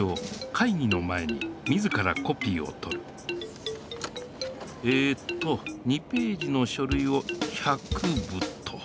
かいぎの前に自らコピーをとるえっと２ページのしょるいを１００部と。